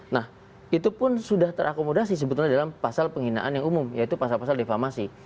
nah itu pun sudah terakomodasi sebetulnya dalam pasal penghinaan yang umum yaitu pasal pasal defamasi